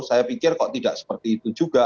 saya pikir kok tidak seperti itu juga